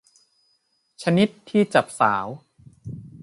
ชนิดที่จับสาว